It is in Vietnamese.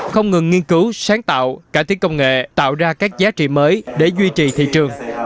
không ngừng nghiên cứu sáng tạo cải thiết công nghệ tạo ra các giá trị mới để duy trì thị trường